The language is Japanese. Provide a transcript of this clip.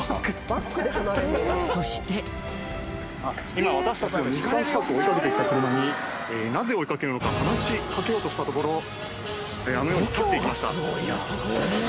今私たちを２時間近く追い掛けて来た車になぜ追い掛けるのか話し掛けようとしたところあのように去って行きました。